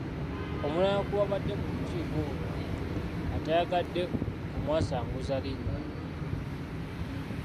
Omulala ku baabadde mu lukiiko luno ataayagadde kumwasanguza linnya.